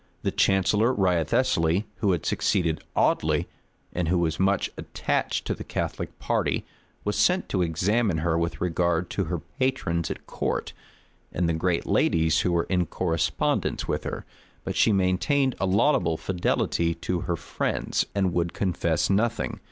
The chancellor, Wriothesely, who had succeeded Audley, and who was much attached to the Catholic party, was sent to examine her with regard to her patrons at court, and the great ladies who were in correspondence with her: but she maintained a laudable fidelity to her friends, and would confess nothing.